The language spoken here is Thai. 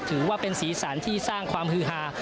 ถือว่าเป็นสีสันที่สร้างความฮือฮา